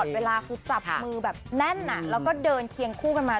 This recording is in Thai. เวลาคือจับมือแบบแน่นแล้วก็เดินเคียงคู่กันมา